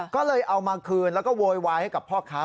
ก็เลยเอามาคืนแล้วก็โวยวายให้กับพ่อค้า